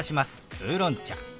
「ウーロン茶」。